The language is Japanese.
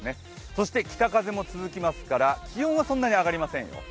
そして北風も続きますから気温はそんなに上がりませんよ。